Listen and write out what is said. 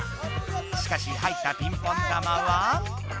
しかし入ったピンポン球は。